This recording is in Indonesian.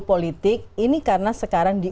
politik ini karena sekarang di